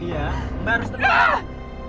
iya barus terima kasih